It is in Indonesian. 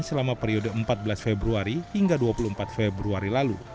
selama periode empat belas februari hingga dua puluh empat februari lalu